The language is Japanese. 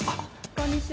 こんにちは。